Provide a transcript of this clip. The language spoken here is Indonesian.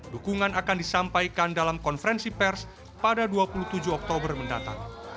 dukungan akan disampaikan dalam konferensi pers pada dua puluh tujuh oktober mendatang